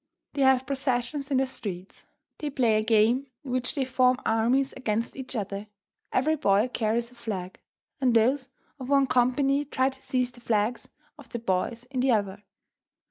They have processions in the streets. They play a game in which they form armies against each other. Every boy carries a flag, and those of one company try to seize the flags of the boys in the other.